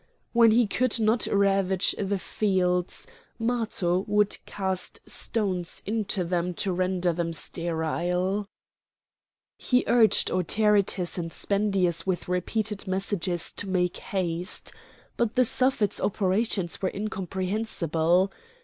When he could not ravage the fields, Matho would cast stones into them to render them sterile. He urged Autaritus and Spendius with repeated messages to make haste. But the Suffet's operations were incomprehensible.